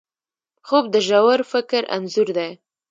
خوب د ژور فکر انځور دی